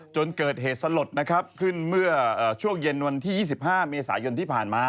จนเกิดเหตุสลดขึ้นเมื่อช่วงเย็นวันที่๒๕มีสายยนต์ที่ผ่านมา